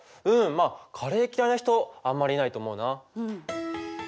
うんまあカレー嫌いな人あんまりいないと思うな。